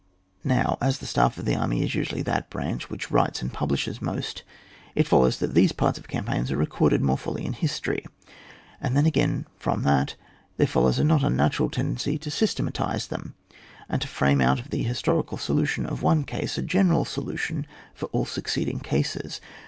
Now, as the staff of the army is usually that branch which writes and publishes most, it follows that these parts of campaigns are recorded more fully in history; and then again from that there follows a not unnatural tendency to systematise them, and to frame out of the historical solution of one case a general solution for all succeed ing cases.